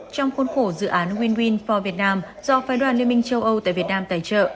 trong khuôn khổ dự án win win for vietnam do phái đoàn liên minh châu âu tại việt nam tài trợ